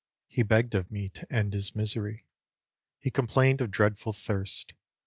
He begged of me to end his misery! He complained of dreadful thirst.